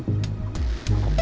terima kasih pak chandra